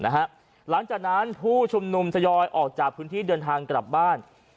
หลังจากนั้นผู้ชุมนุมทยอยออกจากพื้นที่เดินทางกลับบ้าน